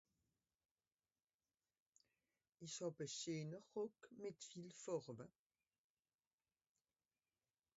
isch hàb à scheener Rock mìt viel Fàrve